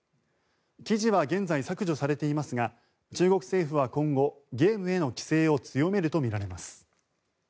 記事は現在削除されていますが中国政府は今後ゲームへの規制を強めるとみられます。